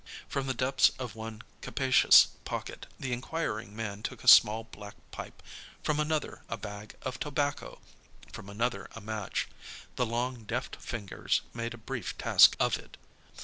From the depths of one capacious pocket the inquiring man took a small black pipe, from another a bag of tobacco, from another a match. The long, deft fingers made a brief task of it.